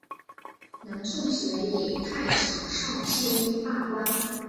南宋时以太常少卿罢官。